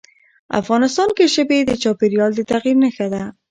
افغانستان کې ژبې د چاپېریال د تغیر نښه ده.